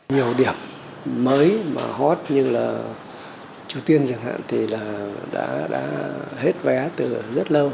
nhiều điểm mới mà hot như là triều tiên chẳng hạn thì đã hết vé từ rất lâu